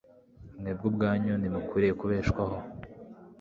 Mwebwe ubwanyu ntimukwiriye kubeshwaho